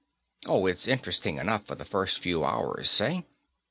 Oh, it's interesting enough for the first few hours, say.